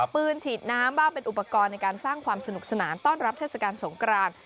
ปืนฉีดน้ำบ้างเป็นอุปกรณ์ในการสร้างความสนุกสนานต้อนรับเทศกาลสงคราน